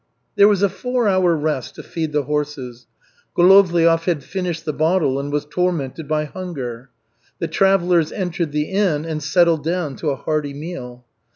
There was a four hour rest to feed the horses. Golovliov had finished the bottle and was tormented by hunger. The travellers entered the inn and settled down to a hearty meal.